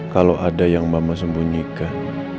kalau ada yang mama sembunyikan